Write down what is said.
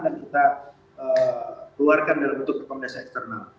dan kita keluarkan dalam bentuk rekomendasi eksternal